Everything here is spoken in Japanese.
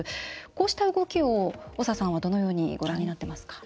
こうした動きを長さんはどのようにご覧になっていますか。